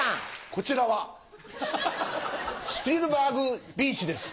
こちらはスピルバーグビーチです。